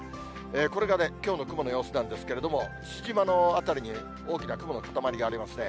これがね、きょうの雲の様子なんですけれども、父島の辺りに大きな雲の固まりがありますね。